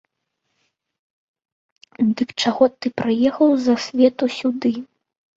Дык чаго ты прыехаў з-за свету сюды?